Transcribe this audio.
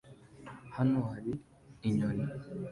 Hano hari inyoni